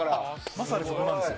まさにそれなんですよ。